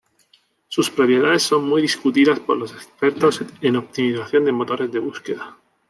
Sus propiedades son muy discutidas por los expertos en optimización de motores de búsqueda.